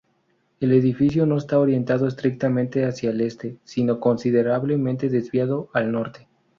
El edificio no está orientado estrictamente hacia el este, sino considerablemente desviado al norte.